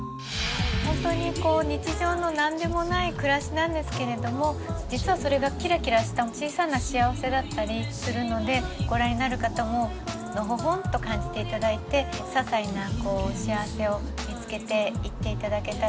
本当にこう日常の何でもない暮らしなんですけれども実はそれがキラキラした小さな幸せだったりするのでご覧になる方ものほほんと感じて頂いてささいな幸せを見つけていって頂けたらなっていうふうに思ってます。